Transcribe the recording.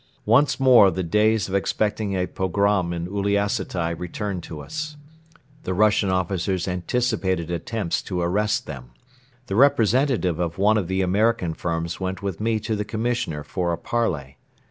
Once more the days of expecting a pogrom in Uliassutai returned to us. The Russian officers anticipated attempts to arrest them. The representative of one of the American firms went with me to the Commissioner for a parley.